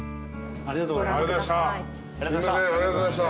ありがとうございます。